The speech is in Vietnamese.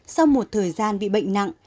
sau một thời gian bị bệnh nặng